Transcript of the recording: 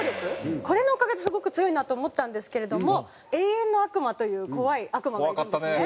これのおかげですごく強いなって思ったんですけれども永遠の悪魔という怖い悪魔がいるんですね。